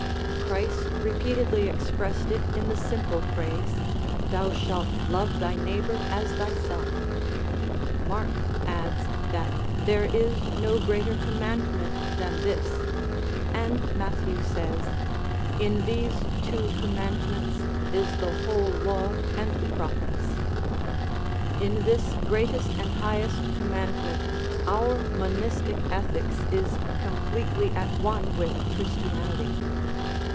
Christ repeatedly expressed it in the simple phrase: "Thou shalt love thy neighbor as thyself." Mark adds that " there is no greater commandment than this," and Matthew says: "In these two commandments is the whole law and the prophets." In this greatest and highest commandment our monistic ethics is com pletely at one with Christianity.